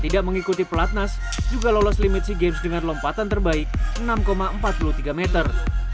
tidak mengikuti pelatnas juga lolos limit sea games dengan lompatan terbaik enam empat puluh tiga meter